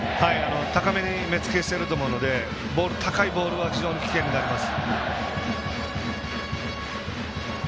高めに目つけしてると思うので高いボールは非常に危険になります。